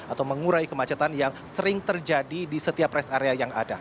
atau mengurai kemacetan yang sering terjadi di setiap rest area yang ada